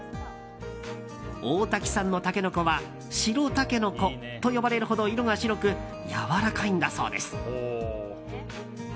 大多喜産のタケノコは白タケノコと呼ばれるほど色が白くやわらかいんだそうです。